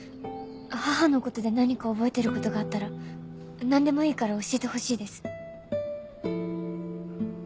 母の事で何か覚えている事があったらなんでもいいから教えてほしいです。